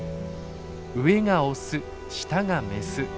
上がオス下がメス。